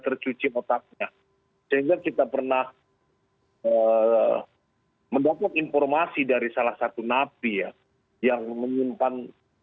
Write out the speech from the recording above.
tercuci otaknya sehingga kita pernah mendapat informasi dari salah satu napi ya yang menyimpan